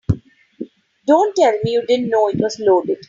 Don't tell me you didn't know it was loaded.